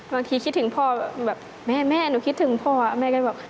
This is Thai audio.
คิดถึงพ่อแบบแม่แม่หนูคิดถึงพ่อแม่ก็บอก